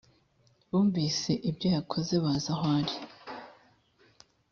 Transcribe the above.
bumvise ibyo yakoze baza aho ari